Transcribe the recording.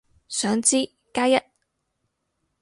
想知，加一